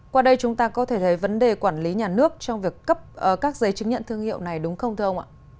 qua đây chúng ta có thể thấy vấn đề quản lý nhà nước trong việc cấp các giấy chứng nhận thương hiệu này đúng không thưa ông ạ